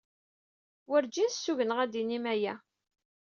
Werǧin ssugneɣ ad d-tinim aya.